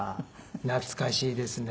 懐かしいですね。